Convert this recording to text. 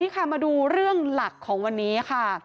ค่ะมาดูเรื่องหลักของวันนี้ค่ะ